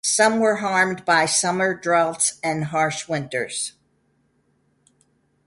Some were harmed by summer droughts and harsh winters.